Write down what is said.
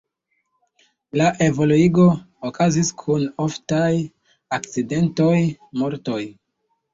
La evoluigo okazis kun oftaj akcidentoj, mortoj.